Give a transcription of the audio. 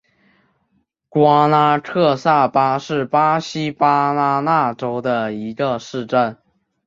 瓜拉克萨巴是巴西巴拉那州的一个市镇。